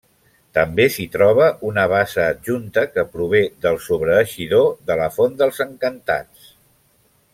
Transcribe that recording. També s'hi troba una bassa adjunta que prové del sobreeixidor de la Font dels Encantats.